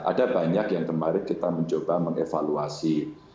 ada banyak yang kemarin kita mencoba mengevaluasi